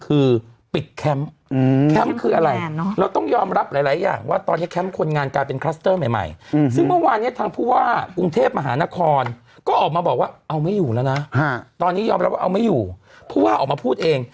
เอาไม่อยู่แล้วนะฮะตอนนี้ยอมรับว่าเอาไม่อยู่เพราะว่าออกมาพูดเอง